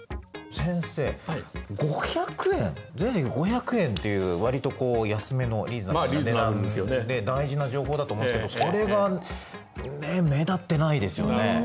先生「５００円」「全席５００円」っていう割と安めのリーズナブルな値段で大事な情報だと思うんですけどそれが目立ってないですよね。